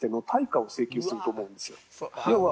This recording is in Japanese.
要は。